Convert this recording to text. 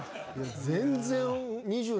全然。